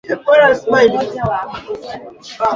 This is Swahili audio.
Umoja wa Afrika